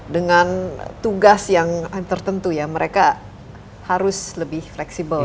dengan tugas yang tertentu ya mereka harus lebih fleksibel